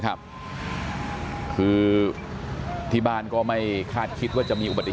คือที่บ้านก็ไม่คาดคิดว่าจะมีอุบัติเหตุ